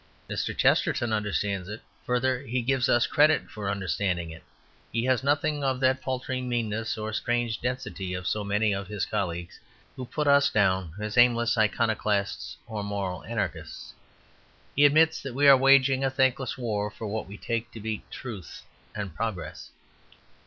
"Mr. Chesterton understands it. Further, he gives us credit for understanding it. He has nothing of that paltry meanness or strange density of so many of his colleagues, who put us down as aimless iconoclasts or moral anarchists. He admits that we are waging a thankless war for what we take to be Truth and Progress.